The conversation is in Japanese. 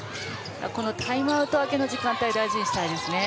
タイムアウト明けの時間帯大事にしたいですね。